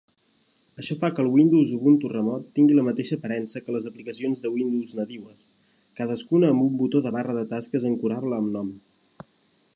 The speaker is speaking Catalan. Això fa que el Windows Ubuntu remot tingui la mateixa aparença que les aplicacions de Windows nadiues, cadascuna amb un botó de barra de tasques ancorable amb nom.